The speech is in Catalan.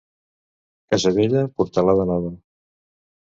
Casa vella, portalada nova.